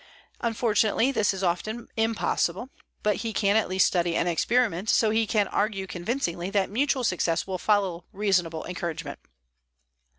Unfortunately, this is often impossible, but he can at least study and experiment so he can argue convincingly that mutual success will follow reasonable encouragement.